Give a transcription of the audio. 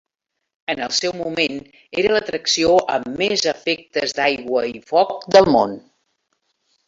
En el seu moment era l'atracció amb més efectes d'aigua i foc del món.